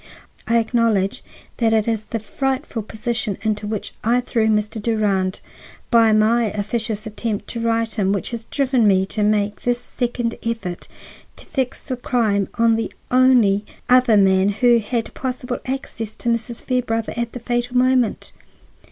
I acknowledge that it is the frightful position into which I threw Mr. Durand by my officious attempt to right him which has driven me to make this second effort to fix the crime on the only other man who had possible access to Mrs. Fairbrother at the fatal moment.